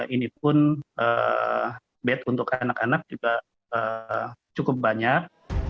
ini pun bed untuk anak anak juga cukup banyak